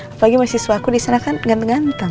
apalagi mahasiswa aku disana kan ganteng ganteng